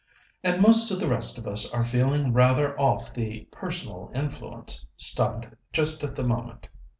" and most of the rest of us are feeling rather off the 'personal influence' stunt just at the moment.